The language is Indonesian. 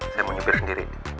saya mau nyimpir sendiri